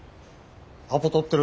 アポ取ってる？